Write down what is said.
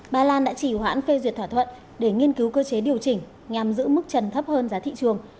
ba lan đã chỉ hoãn phê duyệt thỏa thuận để nghiên cứu cơ chế điều chỉnh nhằm giữ mức trần thấp hơn giá thị trường